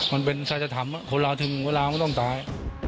มันเป็นศักดิ์ฐรรมคนรอถึงเวลาไม่ต้องตาย